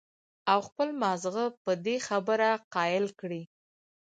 او خپل مازغۀ پۀ دې خبره قائل کړي